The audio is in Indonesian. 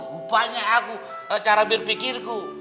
lupanya aku cara berpikirku